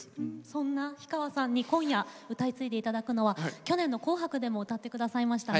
そんな氷川さんに今夜歌い継いでいただくのは去年の「紅白」でも歌ってくださいました